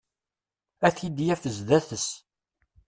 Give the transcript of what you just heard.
A t-id-yaf sdat-s.